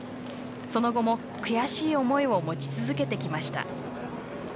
その後も悔しい思いを持ち続けてきました。